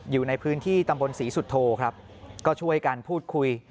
อยู่ในพื้นที่ตำบลศรีสุโธครับก็ช่วยกันพูดคุย